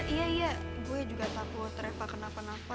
iya iya gue juga takut reva kenapa nafa